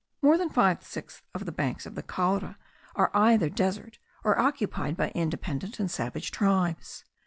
More than five sixths of the banks of the Caura are either desert, or occupied by independent and savage tribes.